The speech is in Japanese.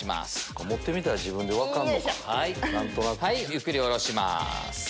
ゆっくり下ろします。